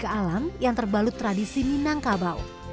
ke alam yang terbalut tradisi minangkabau